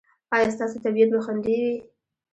ایا ستاسو طبیعت به خوندي وي؟